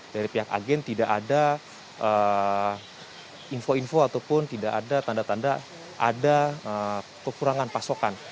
dari pihak agen tidak ada info info ataupun tidak ada tanda tanda ada kekurangan pasokan